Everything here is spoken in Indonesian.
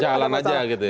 jalan aja gitu ya